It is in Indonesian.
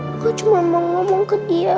aku cuma mau ngomong ke dia